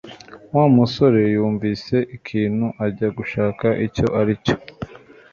Wa musore yumvise ikintu ajya gushaka icyo aricyo